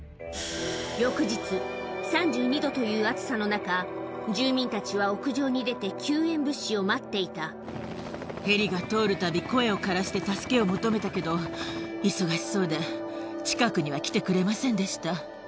翌日、３２度という暑さの中、住民たちは屋上に出て、ヘリが通るたび、声をからして助けを求めたけど、忙しそうで、近くには来てくれませんでした。